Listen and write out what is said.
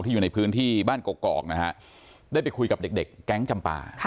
ที่อยู่ในพื้นที่บ้านกกอกได้ไปคุยกับเด็กแก๊งจำปา